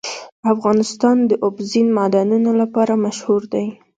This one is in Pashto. افغانستان د اوبزین معدنونه لپاره مشهور دی.